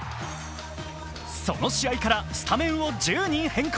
その試合からスタメンを１０に変更。